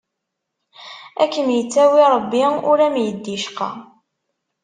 Ad kem-itaweb Ṛebbi, ur am-yeddi ccqa.